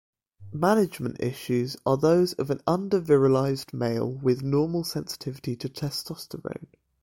Management issues are those of an undervirilized male with normal sensitivity to testosterone.